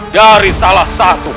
dari salah satu